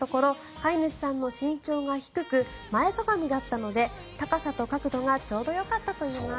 飼い主さんの身長が低く前かがみだったので高さと角度がちょうどよかったといいます。